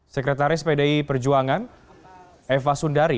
sekretaris pdi perjuangan eva sundari